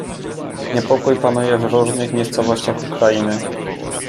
"Niepokój panuje w różnych miejscowościach Ukrainy."